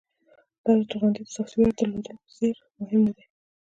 دا د توغندي د سافټویر درلودلو په څیر مهم ندی